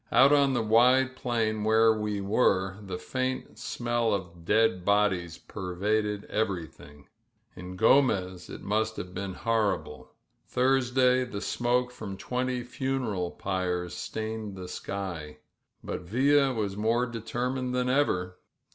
Oot on the wide plain where we were faint smell of dead bodies perraded ererythi In Gromez it must ha^e been horrible. Thursday smoke from twenty funeral pyres stained the sky. ] Villa was more determined than ever.